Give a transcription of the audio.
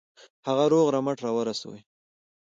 هغه روغ رمټ را ورسوي.